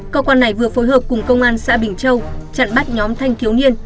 cơ quan này vừa phối hợp cùng công an xã bình châu chặn bắt nhóm thanh thiếu niên